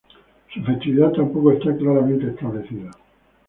Su festividad tampoco está claramente establecida.